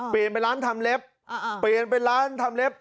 เปลี่ยนเป็นร้านทำเล็บเปลี่ยนเป็นร้านทำเล็บ